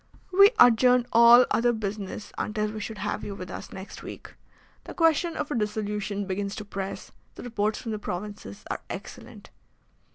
"We adjourned all other business until we should have you with us next week. The question of a dissolution begins to press. The reports from the provinces are excellent."